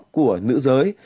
của nữ giới